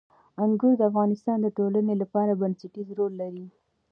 انګور د افغانستان د ټولنې لپاره بنسټيز رول لري.